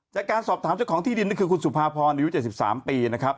จากการสอบถามเจ้าของที่ดินนี่คือคุณสุภาพรอายุ๗๓ปีนะครับ